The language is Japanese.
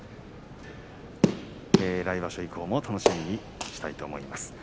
来場所以降も楽しみにしたいと思います。